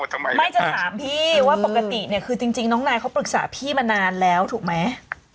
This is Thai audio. ทำไมไม่จะถามพี่ว่าปกติเนี่ยคือจริงน้องนายเขาปรึกษาพี่มานานแล้วถูกไหม